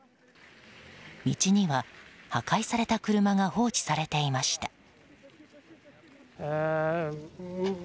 道には、破壊された車が放置されていました。